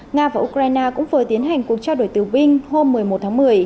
nga và ukraine cũng vừa tiến hành cuộc trao đổi tù binh hôm một mươi một tháng một mươi